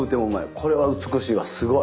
これは美しいわすごい！